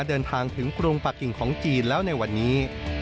เดินทางถึงกรุงปากกิ่งของจีนแล้วในวันนี้